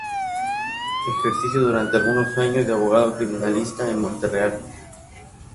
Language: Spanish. Ejerció durante algunos años de abogado criminalista en Montreal.